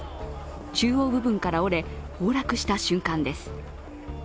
中央部分から折れ崩落した瞬間です。